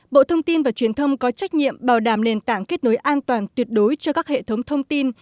bộ thông tin và truyền thông có trách nhiệm bảo đảm nền tảng kết nối an toàn tuyệt đối cho các hệ thống thông tin